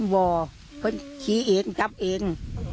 บอกเพื่อนขี่เองจับเอง